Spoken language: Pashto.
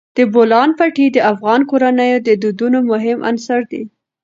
د بولان پټي د افغان کورنیو د دودونو مهم عنصر دی.